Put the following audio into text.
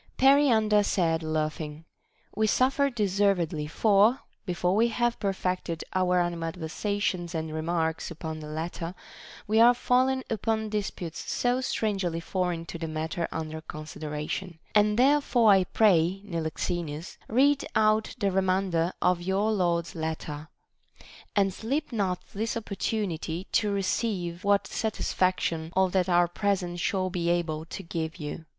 Periander said laughing : We suffer deservedly, for, before we have perfected our animadversions and remarks upon the letter, we are fallen upon disputes so strangely foreign, to the matter under consideration ; and therefore I THE BANQUET OF THE SEVEN WISE MEN. 1 7 pray, Niloxenus, read out the remainder of your lord's letter, and slip not this opportunity to receive what satis faction all that are present shall be able to give you.